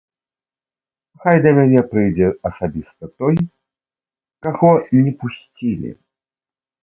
Хай да мяне прыйдзе асабіста той, каго не пусцілі.